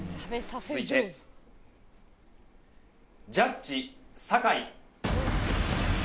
続いてジャッジ坂井。